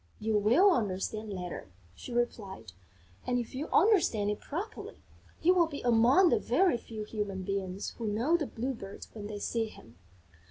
"You will understand later," she replied, "and, if you understand it properly, you will be among the very few human beings who know the Blue Bird when they see him."